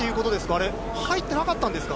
あれ、入ってなかったんですか？